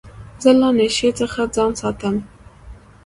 زه له نشې څخه ځان ساتم.